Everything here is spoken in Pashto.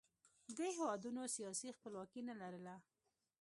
دې هېوادونو سیاسي خپلواکي نه لرله